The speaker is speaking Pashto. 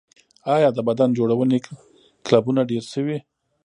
آیا د بدن جوړونې کلبونه ډیر شوي؟